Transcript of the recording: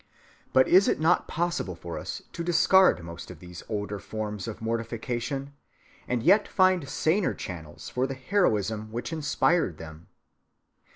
(217) But is it not possible for us to discard most of these older forms of mortification, and yet find saner channels for the heroism which inspired them?